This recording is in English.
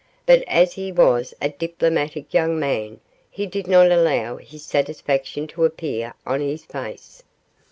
But as he was a diplomatic young man he did not allow his satisfaction to appear on his face.